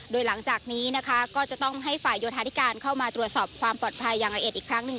โดยหลังจากนี้นะคะก็จะต้องให้ฝ่ายโยธาธิการเข้ามาตรวจสอบความปลอดภัยอย่างละเอียดอีกครั้งหนึ่ง